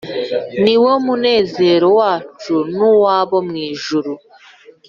Ni we munezero wacu N'uw'abo mw ijuru: